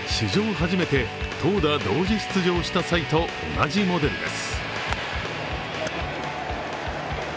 初めて投打同時出場した際と同じモデルです。